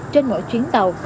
trên mỗi chuyến tàu